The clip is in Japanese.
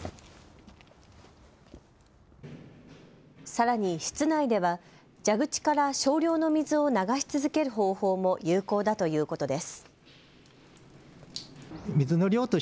さらに室内では蛇口から少量の水を流し続ける方法も有効だということです。